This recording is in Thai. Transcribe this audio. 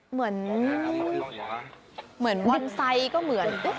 เหมือนบอนไซค์ก็เหมือน